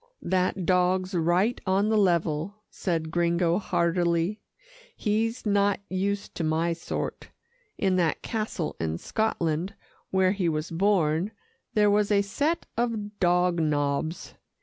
"That dog's right on the level," said Gringo heartily. "He's not used to my sort. In that castle in Scotland, where he was born, there was a set of dog nobs.